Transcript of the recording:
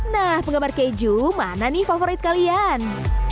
nah penggemar keju mana nih favorit kalian